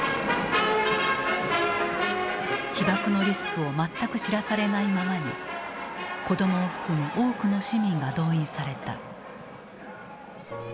被ばくのリスクを全く知らされないままに子どもを含む多くの市民が動員された。